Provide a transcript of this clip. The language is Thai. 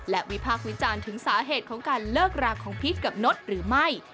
และวิพากษ์วิจารณ์ถึงสาเหตุของการเลิกราของพีชกับนดหรือไม่